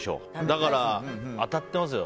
だから、当たってますよ。